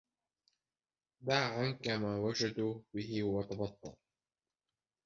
دع عنك ما جدوا به وتبطل